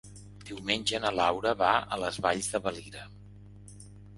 Diumenge na Laura va a les Valls de Valira.